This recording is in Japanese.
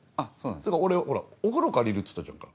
だから俺ほら「お風呂借りる」っつったじゃんか。